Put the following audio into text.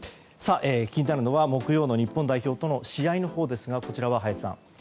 気になるのは木曜の日本代表との試合ですが林さん。